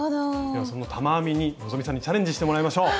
ではその玉編みに希さんにチャレンジしてもらいましょう。